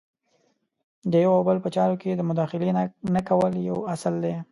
د یو او بل په چارو کې د مداخلې نه کول یو اصل دی.